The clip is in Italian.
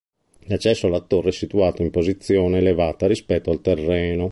L'accesso alla torre è situato in posizione elevata rispetto al terreno.